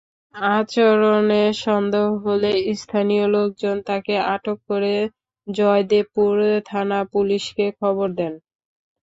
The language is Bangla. আচরণে সন্দেহ হলে স্থানীয় লোকজন তাঁকে আটক করে জয়দেবপুর থানা-পুলিশকে খবর দেন।